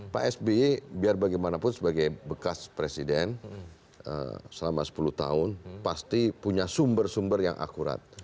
pak sby biar bagaimanapun sebagai bekas presiden selama sepuluh tahun pasti punya sumber sumber yang akurat